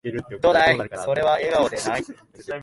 どだい、それは、笑顔でない